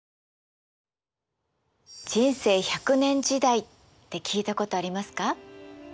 人生１００年時代って聞いたことありますか？